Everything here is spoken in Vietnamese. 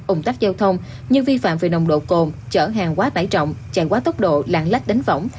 ủng tắc giao thông như vi phạm về nồng độ cồn chở hàng quá tải trọng chạy quá tốc độ lạng lách đánh võng